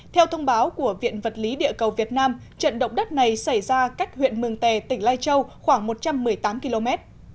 theo thông báo của viện vật lý địa cầu việt nam trận động đất này xảy ra cách huyện mường tè tỉnh lai châu khoảng một trăm một mươi tám km